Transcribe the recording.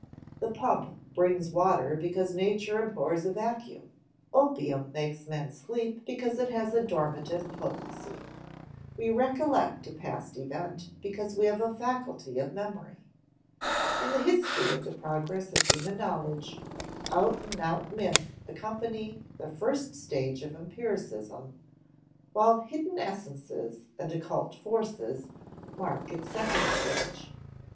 The pump brings water because nature abhors a vacuum; opium makes men sleep because it has a dormitive potency; we recollect a past event because we have a faculty of memory. In the history of the progress of human knowledge, out and out myths accompany the first stage of empiricism; while "hidden essences" and "occult forces" mark its second stage.